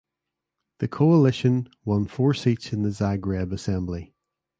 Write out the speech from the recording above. The coalition won four seats in the Zagreb Assembly.